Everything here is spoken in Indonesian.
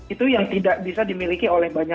itu yang tidak bisa dimiliki oleh banyak